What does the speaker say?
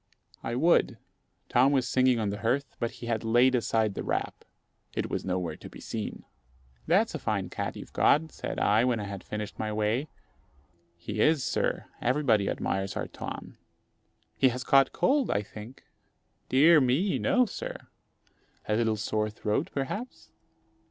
I would. Tom was singing on the hearth, but he had laid aside the wrap it was nowhere to be seen. "That's a fine cat you've got," said I, when I had finished my whey. "He is, sir; everybody admires our Tom." "He has caught cold, I think?" "Dear me! no, sir." "A little sore throat, perhaps?"